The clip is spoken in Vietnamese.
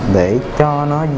để cho nó